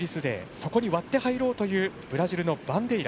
そこに割って入ろうというブラジルのバンデイラ。